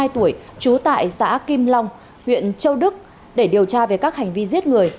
hai mươi tuổi trú tại xã kim long huyện châu đức để điều tra về các hành vi giết người